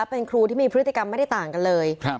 เป็นครูที่มีพฤติกรรมไม่ได้ต่างกันเลย